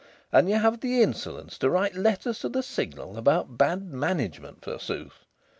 And you have the insolence to write letters to the Signal about bad management, forsooth!